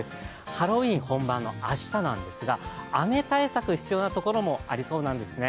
ハロウィーン本番の明日なんですが、雨対策必要なところもありそうなんですね。